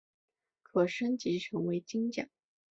可升级成为金将。